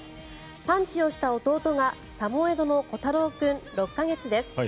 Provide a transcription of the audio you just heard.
パンチをした弟がサモエドの虎太朗君、６か月です